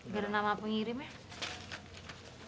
biar nama pengirimnya